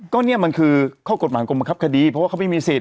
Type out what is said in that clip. ก็เนี่ยมันคือข้อกฎหมายกรมบังคับคดีเพราะว่าเขาไม่มีสิทธ